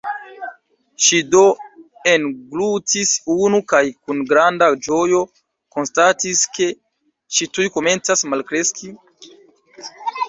Ŝi do englutis unu, kaj kun granda ĝojo konstatis ke ŝi tuj komencas malkreski.